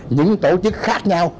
những tổ chức khác nhau